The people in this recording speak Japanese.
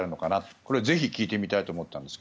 これをぜひ聞いてみたいと思ったんですが。